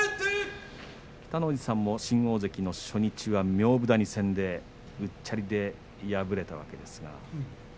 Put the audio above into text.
北の富士さんも新大関初日は明武谷戦でうっちゃりで敗れたわけです。